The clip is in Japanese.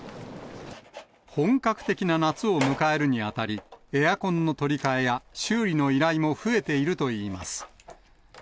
本格的な夏を迎えるにあたり、エアコンの取り替えや修理の依頼も増えているといいます。